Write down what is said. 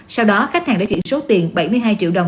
sau đó khách hàng đã chuyển số tiền bảy mươi hai triệu đồng